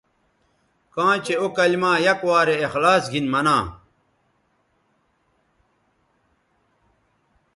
کاں چہء او کلما یک وارے اخلاص گھن منا